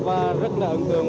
và rất là ấn tượng